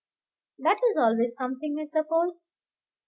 "That is always something, I suppose."